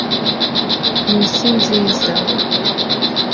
mw'isi nziza